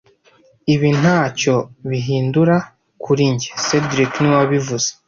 Ibi ntacyo bihindura kuri njye cedric niwe wabivuze